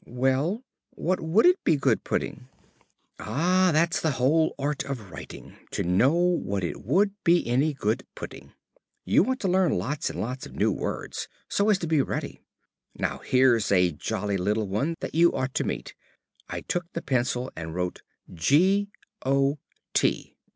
"Well, what would it be good putting?" "Ah, that's the whole art of writing to know what it would be any good putting. You want to learn lots and lots of new words, so as to be ready. Now here's a jolly little one that you ought to meet." I took the pencil and wrote G O T.